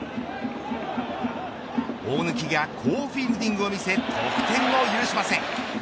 大貫が好フィールディングを見せ得点を許しません。